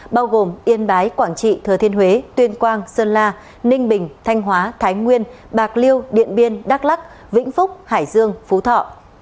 bao gồm yên bái quảng trị thừa thiên huế tuyên quang sơn la ninh bình thanh hóa thái nguyên bạc liêu điện biên đắk lắc vĩnh phúc hải dương phú thọ